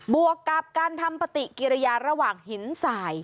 วกกับการทำปฏิกิริยาระหว่างหินสาย